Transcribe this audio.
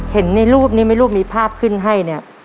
เห็นในรูปนี้ไหมรูปมีภาพขึ้นให้เนี่ย